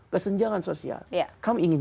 kesenjangan sosial kamu ingin